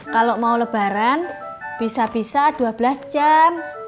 kalau mau lebaran bisa bisa dua belas jam